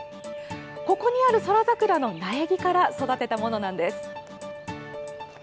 ここにある宇宙桜の苗木から育てたものなんです。